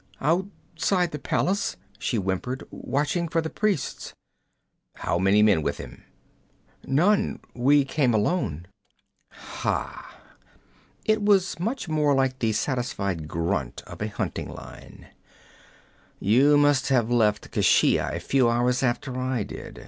'Outside the palace,' she whimpered, 'watching for the priests.' 'How many men with him?' 'None. We came alone.' 'Ha!' It was much like the satisfied grunt of a hunting lion. 'You must have left Keshia a few hours after I did.